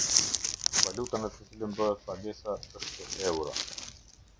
Valuta në të cilën bëhet pagesa është Euro.